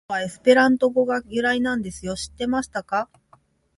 「ヤクルト」はエスペラント語が由来なんですよ！知ってましたか！！